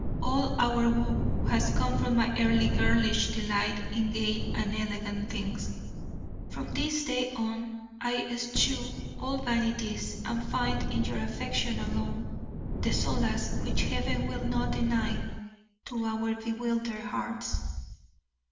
All our woe has come from my early girlish delight in gay and elegant things. From this day on I eschew all vanities and find in your affection alone the solace which Heaven will not deny to our bewildered hearts.